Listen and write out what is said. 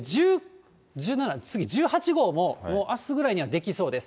１７、次１８号ももうあすぐらいには出来そうです。